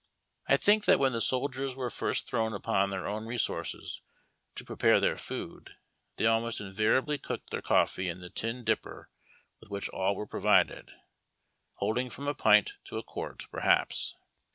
I think that when the soldiers were first thrown upon their own resources to prepare their food, they almost invariably cooked their coffee in the tin dipper with which all were provided, holding from a pint to a quart, perhaps.